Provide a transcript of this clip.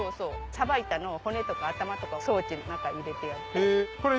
さばいたのを骨とか頭とかを装置の中に入れてやって。